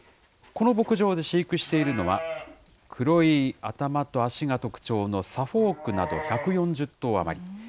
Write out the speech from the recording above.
この牧場で飼育しているのは、黒い頭と脚が特徴の、サフォークなど１４０頭余り。